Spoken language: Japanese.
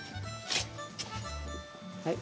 はい。